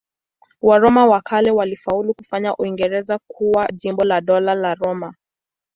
Waroma wa kale walifaulu kufanya Uingereza kuwa jimbo la Dola la Roma.